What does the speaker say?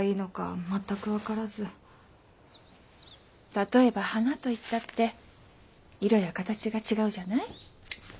例えば花と言ったって色や形が違うじゃない？